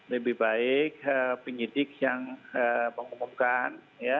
lebih baik penyidik yang mengumumkan